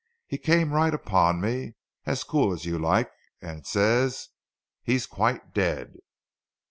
He came right upon me, as cool as you like and says, 'He's quite dead.'"